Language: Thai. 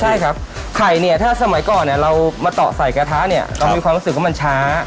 ใช่ครับไข่เนี่ยถ้าสมัยก่อนเนี่ยเรามาต่อใส่กระทะเนี่ยเรามีความรู้สึกว่ามันช้า